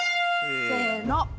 せの。